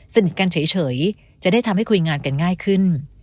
สนิทกันเฉยจะได้ทำให้คุยงานกันง่ายขึ้น